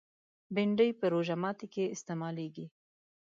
بېنډۍ په روژه ماتي کې استعمالېږي